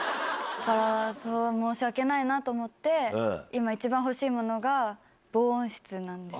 申し訳ないなと思って、今、一番欲しいものが防音室なんです。